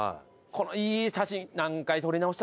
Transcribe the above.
このいい写真。